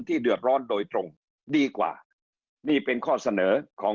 เดือดร้อนโดยตรงดีกว่านี่เป็นข้อเสนอของ